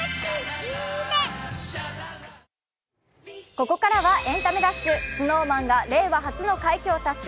ここからは「エンタメダッシュ」ＳｎｏｗＭａｎが令和初の快挙を達成。